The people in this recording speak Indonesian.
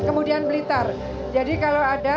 kemudian blitar jadi kalau ada